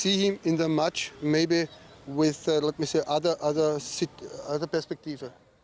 jadi kita bisa melihatnya di pertandingan mungkin dengan perspektif lain